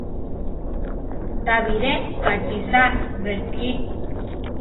Tabiré kachisa reki.